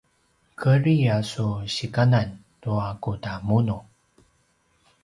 kedri a ku sikanan tua kudamunu